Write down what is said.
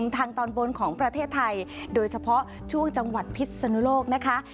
ทางตอนบนของประเทศไทยโดยเฉพาะช่วงจังหวัดพิษสนุโลกนะคะ